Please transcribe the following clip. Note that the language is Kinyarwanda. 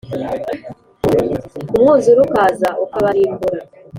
Umwuzure ukaza ukabarimbura